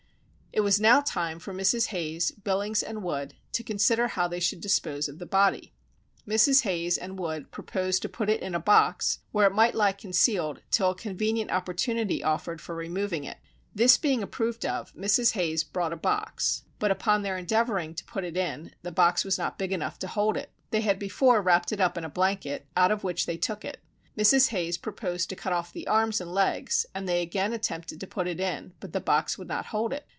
It was now time for Mrs. Hayes, Billings, and Wood to consider how they should dispose of the body. Mrs. Hayes and Wood proposed to put it in a box, where it might lie concealed till a convenient opportunity offered for removing it. This being approved of, Mrs. Hayes brought a box; but upon their endeavouring to put it in, the box was not big enough to hold it. They had before wrapped it up in a blanket, out of which they took it; Mrs. Hayes proposed to cut off the arms and legs, and they again attempted to put it in, but the box would not hold it.